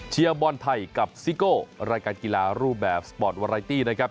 บอลไทยกับซิโก้รายการกีฬารูปแบบสปอร์ตวาไรตี้นะครับ